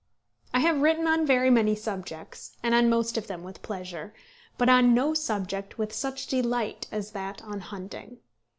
I have written on very many subjects, and on most of them with pleasure; but on no subject with such delight as that on hunting.